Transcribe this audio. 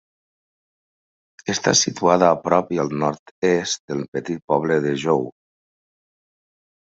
Està situada a prop i al nord-est del petit poble de Jou.